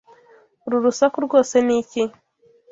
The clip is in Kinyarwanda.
Uru rusaku rwose ni iki?